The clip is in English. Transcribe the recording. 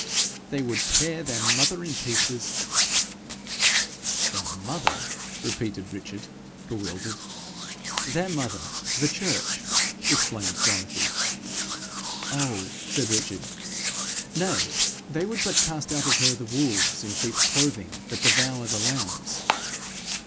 'They would tear their mother in pieces ' 'Their mother!' repeated Richard, bewildered. 'Their mother, the church,' explained Dorothy. 'Oh!' said Richard. 'Nay, they would but cast out of her the wolves in sheep's clothing that devour the lambs.'